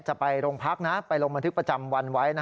จะไปโรงพักนะไปลงบันทึกประจำวันไว้